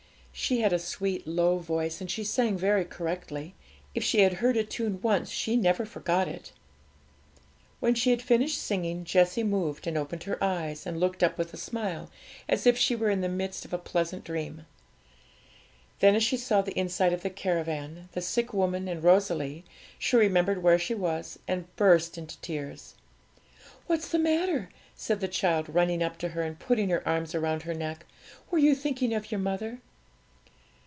She had a sweet low voice, and she sang very correctly; if she had heard a tune once she never forgot it. When she had finished singing, Jessie moved, and opened her eyes, and looked up with a smile, as if she were in the midst of a pleasant dream. Then, as she saw the inside of the caravan, the sick woman, and Rosalie, she remembered where she was, and burst into tears. 'What's the matter?' said the child, running up to her, and putting her arms round her neck; 'were you thinking of your mother?'